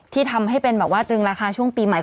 ที่ทำให้เป็นตึงราคาช่วงปีใหม่